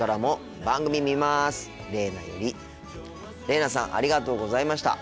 れいなさんありがとうございました。